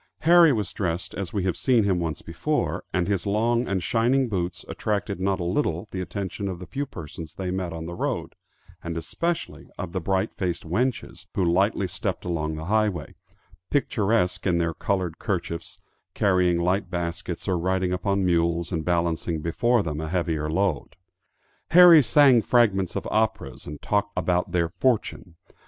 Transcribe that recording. Harry was dressed as we have seen him once before, and his long and shining boots attracted not a little the attention of the few persons they met on the road, and especially of the bright faced wenches who lightly stepped along the highway, picturesque in their colored kerchiefs, carrying light baskets, or riding upon mules and balancing before them a heavier load. Harry sang fragments of operas and talked about their fortune.